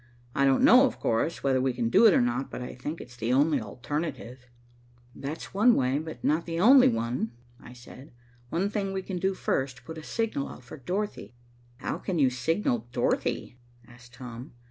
I don't know, of course, whether we can do it or not, but I think it's the only alternative." "That's one way, but not the only one," I said. "One thing we can do first, put a signal out for Dorothy." "How can you signal Dorothy?" asked Tom.